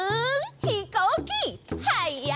ひこうきはやいぞ！